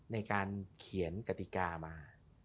ในการเขียนกติกามา